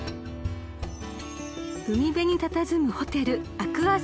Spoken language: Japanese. ［海辺にたたずむホテル］